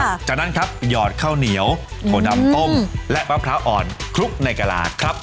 จากนั้นครับหยอดข้าวเหนียวถั่วดำต้มและมะพร้าวอ่อนคลุกในกระหลาดครับ